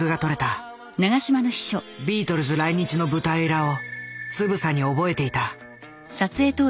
ビートルズ来日の舞台裏をつぶさに覚えていた。